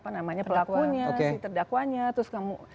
namanya pelakunya si terdakwanya terus kamu